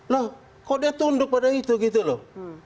loh kok dia tunduk pada itu gitu loh